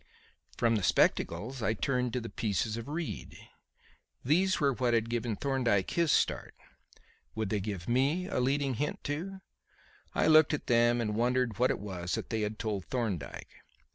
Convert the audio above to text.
From the spectacles I turned to the pieces of reed. These were what had given Thorndyke his start. Would they give me a leading hint too? I looked at them and wondered what it was that they had told Thorndyke.